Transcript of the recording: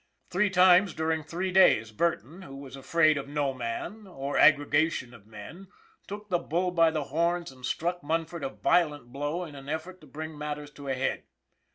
Three times during three days Burton, who was afraid of no man or aggregation of men, took the bull by the horns and struck Munford a violent blow in an effort to bring matters to a head.